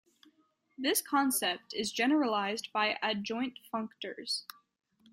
This concept is generalised by adjoint functors.